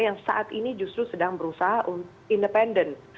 yang saat ini justru sedang berusaha independen